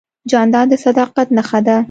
جانداد د صداقت نښه ده.